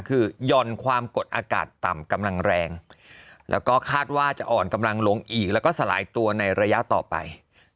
คือหย่อนความกดอากาศต่ำกำลังแรงแล้วก็คาดว่าจะอ่อนกำลังลงอีกแล้วก็สลายตัวในระยะต่อไป